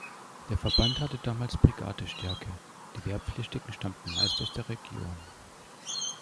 Der Verband hatte damals Brigade-Stärke, die Wehrpflichtigen stammten meist aus der Region.